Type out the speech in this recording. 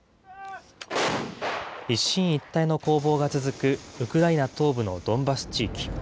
一進一退の攻防が続くウクライナ東部のドンバス地域。